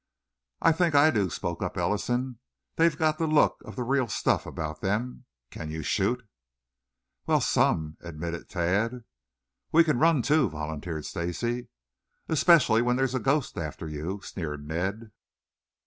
"I think I do," spoke up Ellison. "They've got the look of the real stuff about them. Can you shoot?" "Well, some," admitted Tad. "We can run, too," volunteered Stacy. "Especially when there's a ghost after you," sneered Ned.